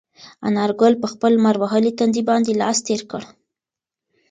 انارګل په خپل لمر وهلي تندي باندې لاس تېر کړ.